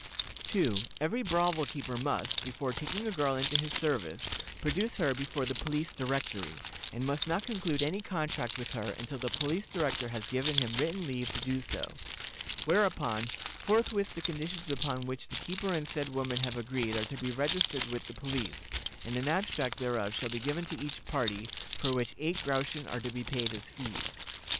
"2. Every brothel keeper must, before taking a girl into his service, produce her before the Police Directory, and must not conclude any contract with her until the Police Director has given him written leave to do so; whereupon, forthwith the conditions upon which the keeper and said woman have agreed are to be registered with the police, and an abstract thereof shall be given to each party, for which eight groschen are to be paid as fees.